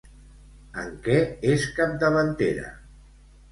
En què és capdavantera?